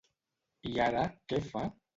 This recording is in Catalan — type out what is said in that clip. I ara, què fa?